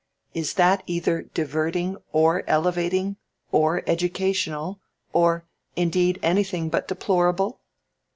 Is that either diverting or elevating or educational or, indeed, anything but deplorable?"